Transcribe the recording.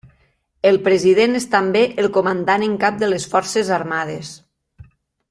El president és també el Comandant en Cap de les forces armades.